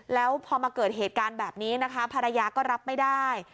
แล้วพอมาเกิดเหตุการณ์แบบนี้นะคะภรรยาก็รับไม่ได้